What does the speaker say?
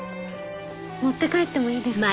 持って帰ってもいいですか？